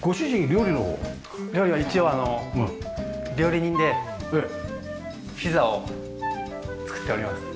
料理は一応料理人でピザを作っております。